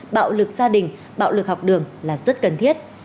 bạo lực gia đình bạo lực học đường là rất cần thiết